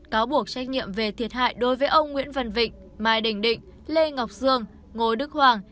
cáo buộc trách nhiệm về thiệt hại đối với ông nguyễn văn vịnh mai đình định lê ngọc dương ngô đức hoàng